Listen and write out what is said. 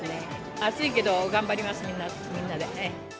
暑いけど頑張ります、みんな、みんなで。